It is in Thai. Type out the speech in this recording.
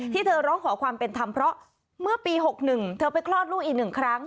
ที่เธอร้องขอความเป็นธรรมเพราะเมื่อปี๖๑เธอไปคลอดลูกอีก๑ครั้ง